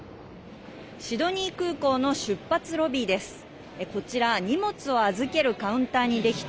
シドニー空港の出発ロビーです。